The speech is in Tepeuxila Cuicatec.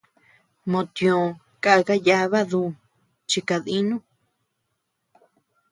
Mo tiö kaka yàba dü chi kadínu.